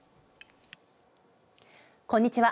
こんにちは。